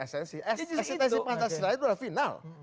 eksistensi pancasila itu adalah final